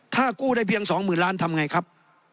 ถ้ากู้ได้เพียง๒๐๐๐ล้านทำไงครับ